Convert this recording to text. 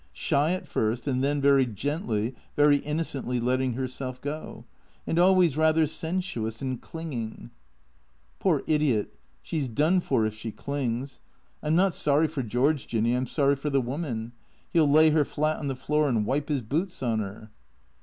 Shy at first, and then very gently, very innocently letting her self go. And always rather sensuous and clinging." " Poor idiot — she 's done for if she clings. I 'm not sorry for George, Jinny ; I 'm sorry for the woman. He '11 lay her flat on the floor and wipe his boots on her."